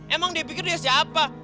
emang dia pikir dia siapa